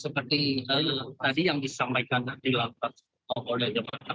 seperti tadi yang disampaikan di lapangan